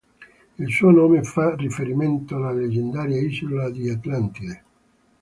Il suo nome fa riferimento alla leggendaria isola di Atlantide.